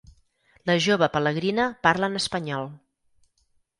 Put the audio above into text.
La jove pelegrina parla en espanyol.